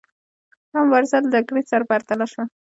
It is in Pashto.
دا مبارزه له جګړې سره پرتله شوه.